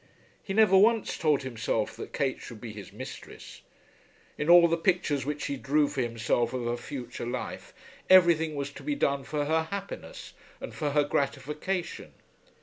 He never once told himself that Kate should be his mistress. In all the pictures which he drew for himself of a future life everything was to be done for her happiness and for her gratification.